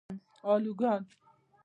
الوگان